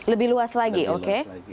lebih luas lagi oke